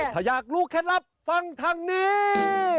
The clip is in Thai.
ถ้าอยากรู้แค่นั้นฟังทางนี้